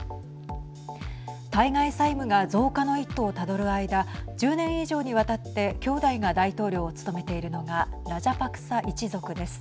対外債務が増加の一途をたどる間１０年以上にわたって兄弟が大統領を務めているのがラジャパクサ一族です。